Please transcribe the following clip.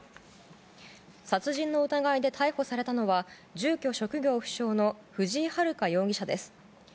殺人の疑いで逮捕されたのは住居・職業不詳の藤井遙容疑者です。